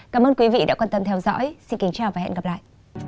cảm ơn quý vị đã quan tâm theo dõi xin kính chào và hẹn gặp lại